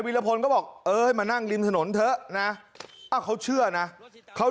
รพลก็บอกเออให้มานั่งริมถนนเถอะนะเขาเชื่อนะเขา